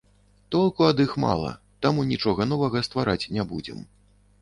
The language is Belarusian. Толку ад іх мала, таму нічога новага ствараць не будзем.